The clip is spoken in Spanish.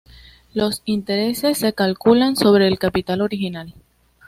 Los intereses se calculan sobre el capital original.